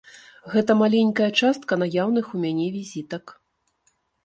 Гэта маленькая частка наяўных у мяне візітак.